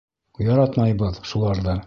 Яратмайбыҙ шуларҙы!